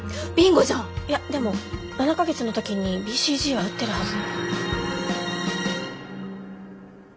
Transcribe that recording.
いやでも７か月の時にＢＣＧは打ってるはず。